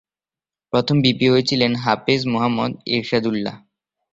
প্রথম ভিপি হয়েছিলেন হাফেজ মোহাম্মাদ এরশাদুল্লাহ।